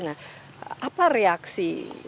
nah apa reaksi waktu itu dari masyarakat